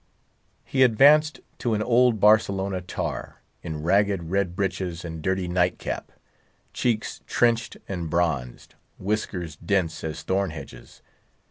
He advanced to an old Barcelona tar, in ragged red breeches and dirty night cap, cheeks trenched and bronzed, whiskers dense as thorn hedges.